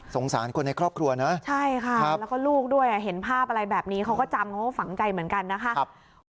สารคนในครอบครัวนะใช่ค่ะแล้วก็ลูกด้วยเห็นภาพอะไรแบบนี้เขาก็จำเขาก็ฝังใจเหมือนกันนะคะ